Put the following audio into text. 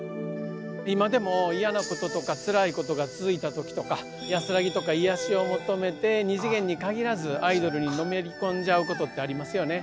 今でも嫌なこととかつらいことが続いたときとか安らぎとかいやしを求めて２次元に限らずアイドルにのめり込んじゃうことってありますよね。